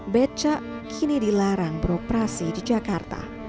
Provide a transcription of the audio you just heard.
becak kini dilarang beroperasi di jakarta